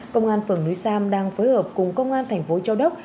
công an phường núi sam đang phối hợp cùng công an thành phố châu đốc